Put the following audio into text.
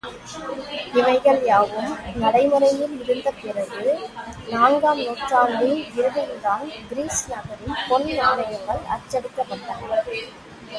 இவைகள் யாவும் நடை முறையில் இருந்த பிறகு நான்காம் நூற்றாண்டின் இறுதியில்தான் கிரீஸ் நகரில் பொன் நாணயங்கள் அச்சடிக்கப்பட்டன.